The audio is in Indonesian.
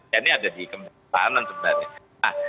tni ada di kemenangan pertahanan sebenarnya